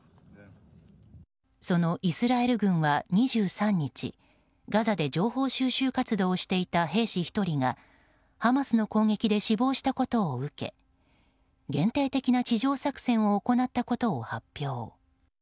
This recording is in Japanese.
そのイスラエル軍は、２３日ガザで情報収集活動をしていた兵士１人がハマスの攻撃で死亡したことを受け限定的な地上作戦を行ったことを発表。